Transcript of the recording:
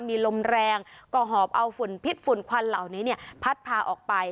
มีลมแรงก็หอบเอาฝุ่นพิษฝุ่นควันเหล่านี้เนี่ยพัดพาออกไป